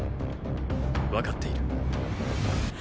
分かっている。